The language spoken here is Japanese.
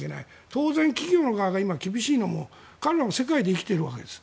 当然企業側も今、厳しいのも彼らは世界で生きているわけです。